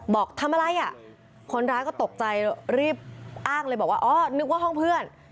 บอกทำอะไรอ่ะคนร้ายก็ตกใจรีบอ้างเลยบอกว่าอ๋อนึกว่าห้องเพื่อน